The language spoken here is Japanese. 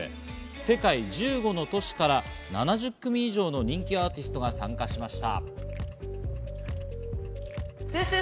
世界１５の都市から７０組以上の人気アーティストが参加しました。